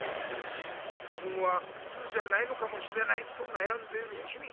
「自分はふつうじゃないのかもしれない」となやんでいるきみ。